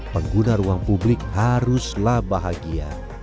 pengguna ruang publik haruslah bahagia